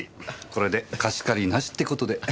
これで貸し借りなしって事で。